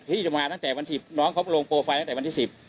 พี่จะมาตั้งแต่วันที่น้องเขาลงโปรไฟล์ตั้งแต่วันที่๑๐